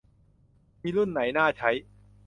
มีรุ่นไหนน่าใช้